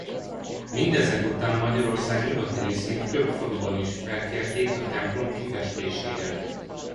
Mindezek után Magyarország nyugati részén több faluban is felkérték a templom kifestésére.